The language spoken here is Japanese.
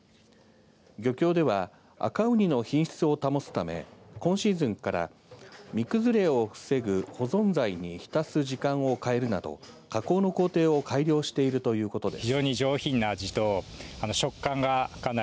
漁業では赤ウニの品質を保つため今シーズンから身崩れを防ぐ保存剤に浸す時間を変えるなど加工の工程を改良しているということです。